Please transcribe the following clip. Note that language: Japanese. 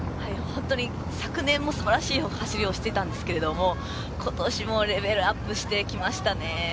本当に昨年も素晴らしい走りをしていたんですけれども、今年もレベルアップしてきましたね。